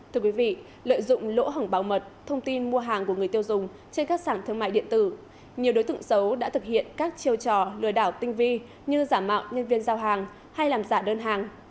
thưa quý vị lợi dụng lỗ hỏng bảo mật thông tin mua hàng của người tiêu dùng trên các sản thương mại điện tử nhiều đối tượng xấu đã thực hiện các chiêu trò lừa đảo tinh vi như giả mạo nhân viên giao hàng hay làm giả đơn hàng